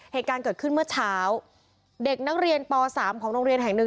เหตุการณ์เกิดขึ้นเมื่อเช้าเด็กนักเรียนป๓ของโรงเรียนแห่งหนึ่ง